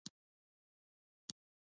د غزني په مالستان کې د اوسپنې نښې شته.